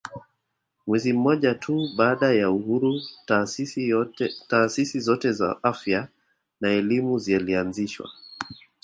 Mwezi mmoja tu baada ya uhuru taasisi zote za afya na elimu zilianzishwa